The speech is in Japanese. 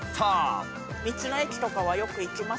道の駅とかはよく行きますか？